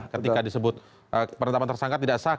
ketika disebut penetapan tersangka tidak sah